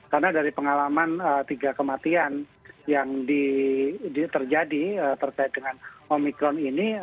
karena dari pengalaman tiga kematian yang terjadi terkait dengan omicron ini